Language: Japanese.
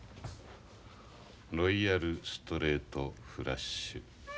ロイヤルストレートフラッシュ。